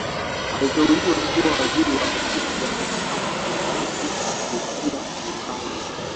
Aliteuliwa kuwa waziri wa ofisi ya makamu wa Raisi kushughulikia muungano